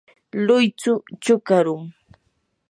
luychu chukarum.